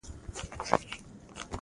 پاک خدای ته التجا کوم.